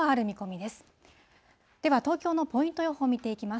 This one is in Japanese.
では東京のポイント予報見ていきます。